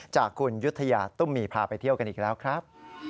จากคุณยุธยาตุ้มมีพาไปเที่ยวกันอีกแล้วครับ